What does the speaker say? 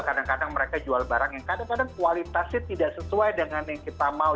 kadang kadang mereka jual barang yang kadang kadang kualitasnya tidak sesuai dengan yang kita mau